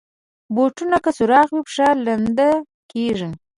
بوټونه که سوراخ وي، پښه لنده کېږي.